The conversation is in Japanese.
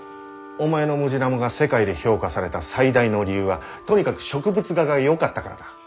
お前のムジナモが世界で評価された最大の理由はとにかく植物画がよかったからだ。